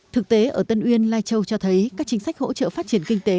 thực tế ở tân uyên lai châu cho thấy các chính sách hỗ trợ phát triển kinh tế